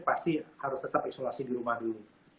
pasti harus tetap isolasi di rumah dulu